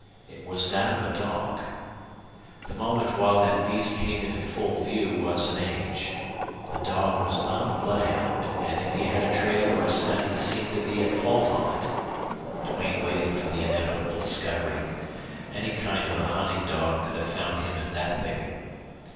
It was that of a dog. The moment while that beast came into full view was an age. The dog was not a bloodhound, and if he had a trail or a scent he seemed to be at fault on it. Duane waited for the inevitable discovery. Any kind of a hunting dog could have found him in that thicket.